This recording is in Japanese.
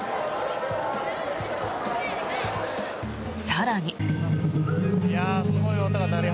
更に。